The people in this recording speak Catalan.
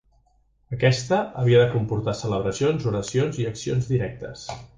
Aquesta havia de comportar celebracions, oracions i accions directes.